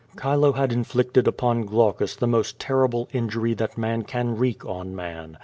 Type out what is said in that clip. Chilo had inflicted upon Glaucus the most terrible injury that man can wreak on man.